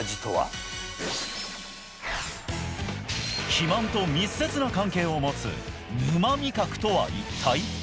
肥満と密接な関係を持つ沼味覚とは一体？